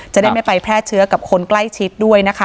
จะได้ไม่ไปแพร่เชื้อกับคนใกล้ชิดด้วยนะคะ